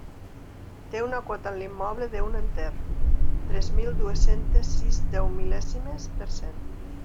Té una quota en l'immoble d'un enter, tres mil dues-centes sis deumil·lèsimes per cent.